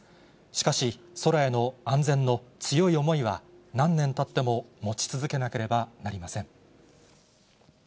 しかし、空への安全の強い思いは、何年たっても持ち続けなければなりません。